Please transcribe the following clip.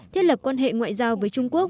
thiết lập quan hệ ngoại giao với trung quốc